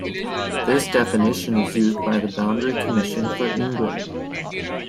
This definition is used by the Boundary Commission for England.